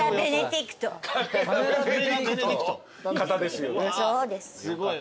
すごい。